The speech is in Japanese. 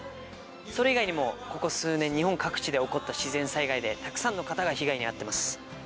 それ以外にもここ数年日本各地で起こった自然災害でたくさんの方が被害に遭ってます。